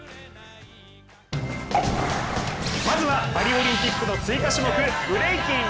まずはパリオリンピックの追加種目、ブレイキン。